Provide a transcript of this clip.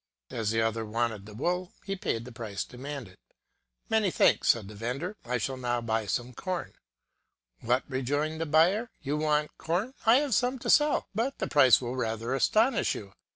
^^ As the other wanted the wool, he paid the price demanded. ^^ Many thanks, said the vendor, "I shall now buy some corn." ^* What, rejoined the buyer, you want corn ? I have some to sell ; but the price will rather astonish you.